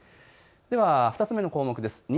では２つ目の項目です。